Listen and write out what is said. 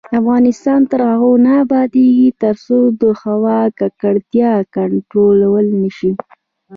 افغانستان تر هغو نه ابادیږي، ترڅو د هوا ککړتیا کنټرول نشي.